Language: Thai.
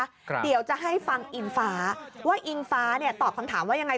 เดี๋ยวจะให้ฟังอิงฟ้าว่าอิงฟ้าเนี่ยตอบคำถามว่ายังไง